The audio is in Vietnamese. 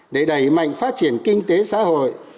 để đẩy mạnh phát triển kinh tế xã hội